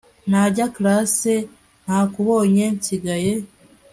ntajya class nakubonye nsigaye